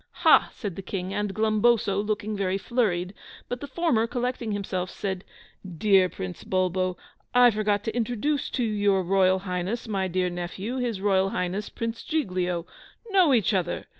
"Ha," said the King and Glumboso, looking very flurried; but the former, collecting himself, said, "Dear Prince Bulbo, I forgot to introduce to your Royal Highness my dear nephew, his Royal Highness Prince Giglio! Know each other!